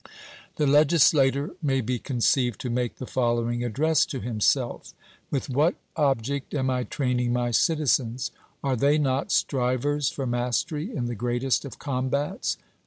The legislator may be conceived to make the following address to himself: With what object am I training my citizens? Are they not strivers for mastery in the greatest of combats?